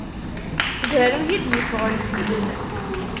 D aruy i d-yeffɣen syin.